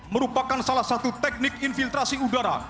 merupakan salah satu teknik infiltrasi udara